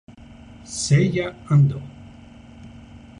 Seiya Andō